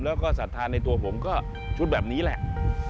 แล้วก็ศรัทธาในตัวผมก็ชุดแบบนี้แหละ